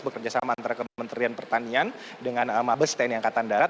bekerja sama antara kementerian pertanian dengan mabes tni angkatan darat